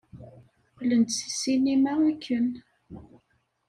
Qqlen-d seg ssinima akken.